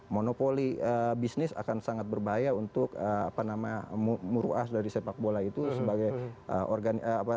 monopoli bisnis akan sangat berbahaya untuk apa namanya muruah dari sepak bola itu sebagai